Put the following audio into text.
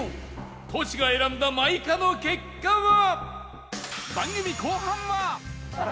トシが選んだ真いかの結果は？